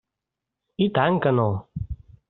I tant que no!